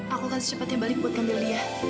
aku akan secepatnya balik buat ngambil dia